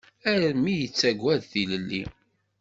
Armi yettaggad tilelli.